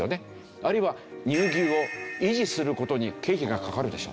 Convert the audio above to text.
あるいは乳牛を維持する事に経費がかかるでしょ。